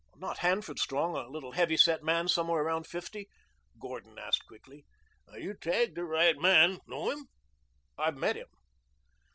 "Not Hanford Strong, a little, heavy set man somewhere around fifty?" Gordon asked quickly. "You've tagged the right man. Know him?" "I've met him."